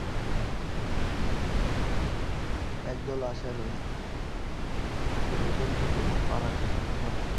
একদল অশ্বারোহী পেলোটন থেকে পালাতে সক্ষম হয়।